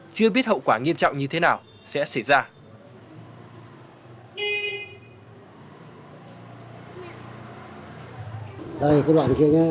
chưa biết hậu quả nghiêm trọng như thế nào sẽ xảy ra